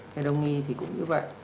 cái đông y thì cũng như vậy